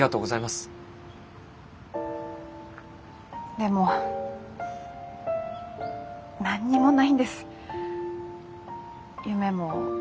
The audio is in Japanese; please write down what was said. でも何にもないんです夢も。